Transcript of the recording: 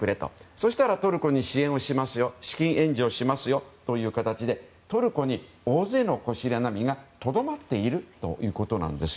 そうしたらトルコに資金援助をしますよという形でトルコに大勢のシリア難民がとどまっているということなんです。